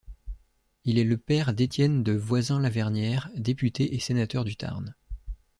Il est le père d’Étienne de Voisins-Lavernière, député et sénateur du Tarn.